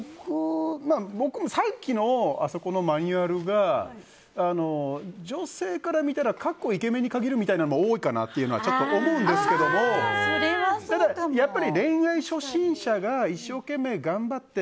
僕もさっきのあそこのマニュアルが女性から見たら、かっこイケメンに限るみたいなのが多いかなっていうのはちょっと思うんですけどただ、やっぱり恋愛初心者が一生懸命に頑張って。